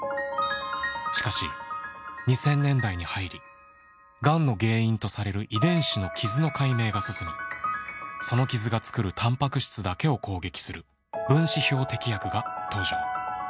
しかし２０００年代に入りがんの原因とされる遺伝子の傷の解明が進みその傷が作るたんぱく質だけを攻撃する分子標的薬が登場。